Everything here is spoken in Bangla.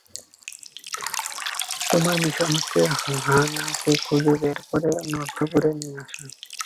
তোমার মিশন হচ্ছে হা-না কে খুঁজে বের করে নর্থ কোরিয়ায় নিয়ে আসা।